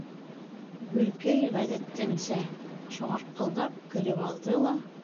Гөлкәй, ғәҙәтенсә, шырҡылдап көлөп алды ла: